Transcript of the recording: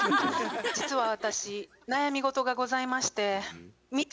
実は私悩み事がございまして。